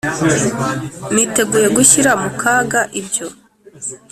] niteguye gushyira mu kaga ibyo.